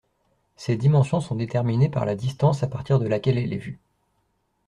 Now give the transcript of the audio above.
Ses dimensions sont déterminées par la distance à partir de laquelle elle est vue.